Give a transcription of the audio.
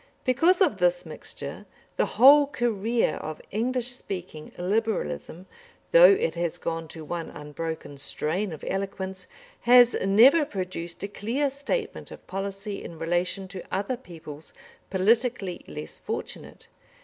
Because of this mixture, the whole career of English speaking Liberalism, though it has gone to one unbroken strain of eloquence, has never produced a clear statement of policy in relation to other peoples politically less fortunate.